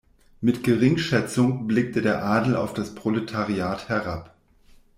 Mit Geringschätzung blickte der Adel auf das Proletariat herab.